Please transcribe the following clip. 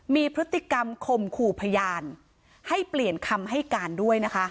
มีพฤติกรรมคมขู่พยานให้เปลี่ยนคำให้การด้วยนะคะ